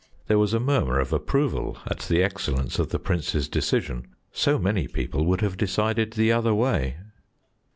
There was a murmur of approval at the excellence of the Prince's decision; so many people would have decided the other way.